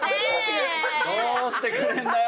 どうしてくれるんだよ。